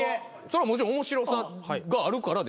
もちろん面白さがあるからですよ。